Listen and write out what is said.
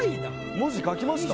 文字書きました？